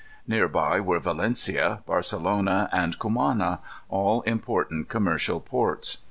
Near by were Valencia, Barcelona, and Cumana, all important commercial ports.